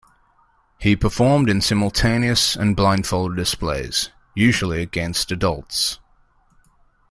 He performed in simultaneous and blindfold displays, usually against adults.